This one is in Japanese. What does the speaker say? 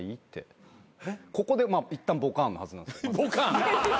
ここでいったんボカーンのはずなんですよ。